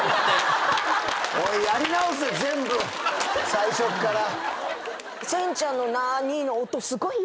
最初っから。